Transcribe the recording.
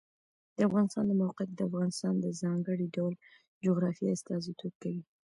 د افغانستان د موقعیت د افغانستان د ځانګړي ډول جغرافیه استازیتوب کوي.